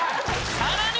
さらに。